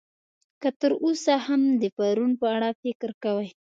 که تر اوسه هم د پرون په اړه فکر کوئ.